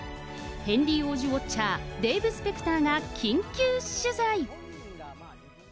ヘンリー王子ウォッチャー、デーブ・スペクターが緊急取材。